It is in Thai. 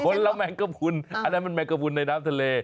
ละแมงกระพุนอันนั้นมันแมงกระพุนในน้ำทะเล